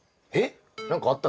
何かあったっけ？